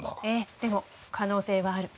でも可能性はある。